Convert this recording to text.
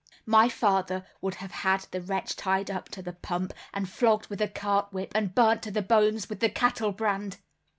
My father would have had the wretch tied up to the pump, and flogged with a cart whip, and burnt to the bones with the cattle brand!"